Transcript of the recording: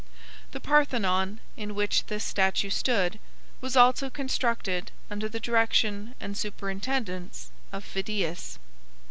The Parthenon, in which this statue stood, was also constructed under the direction and superintendence of Phidias.